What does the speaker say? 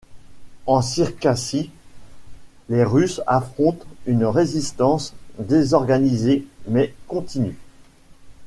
En Circassie, les Russes affrontent une résistance désorganisée mais continue.